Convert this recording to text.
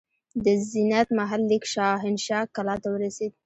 د زینت محل لیک شاهنشاه کلا ته ورسېد.